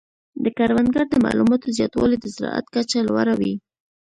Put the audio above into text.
د کروندګرو د معلوماتو زیاتوالی د زراعت کچه لوړه وي.